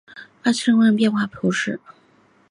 圣莫里斯小教堂人口变化图示